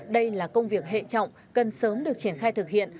đây là công việc hệ trọng cần sớm được triển khai thực hiện